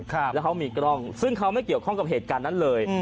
แล้วเขามีกล้องซึ่งเขาไม่เกี่ยวข้องกับเหตุการณ์นั้นเลย